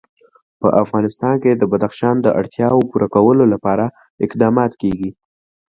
په افغانستان کې د بدخشان د اړتیاوو پوره کولو لپاره اقدامات کېږي.